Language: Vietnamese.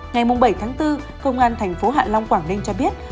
ngày bảy tháng bốn công an tp hạ long quảng ninh cho biết